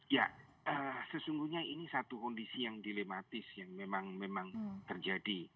ya sesungguhnya ini satu kondisi yang dilematis yang memang terjadi